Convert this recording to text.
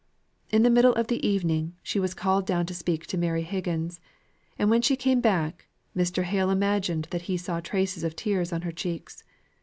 In the middle of the evening, she was called down to speak to Mary Higgins; and when she came back, Mr. Hale imagined that he saw traces of tears on her cheeks.